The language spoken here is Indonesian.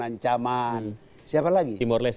ancaman siapa lagi timor leste